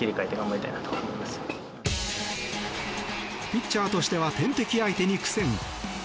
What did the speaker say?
ピッチャーとしては天敵相手に苦戦。